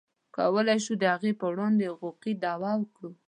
کولی شو د هغې پر وړاندې حقوقي دعوه وکړو.